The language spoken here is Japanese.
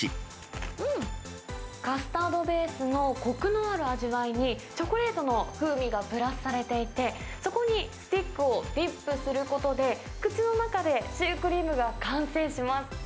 うん、カスタードベースのこくのある味わいに、チョコレートの風味がプラスされていて、そこにスティックをディップすることで、口の中でシュークリームが完成します。